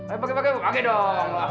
ayo pakai pakai pakai dong